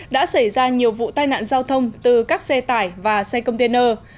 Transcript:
đã xảy ra nhiều vụ tai nạn giao thông từ các xe tải và xe container